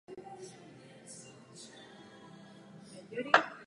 Kanadská královská mincovna i dnes vydává peněžní hrací karty na památku své historie.